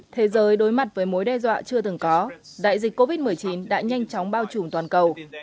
thế giới đối mặt với mối đe dọa chưa từng có đại dịch covid một mươi chín đã nhanh chóng bao trùm toàn cầu